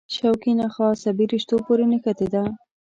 شوکي نخاع عصبي رشتو پورې نښتې ده.